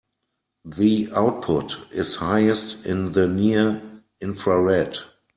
The output is highest in the near infrared.